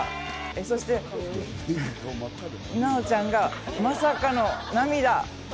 そして奈緒ちゃんがまさかの涙。